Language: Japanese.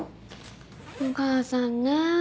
お母さんね。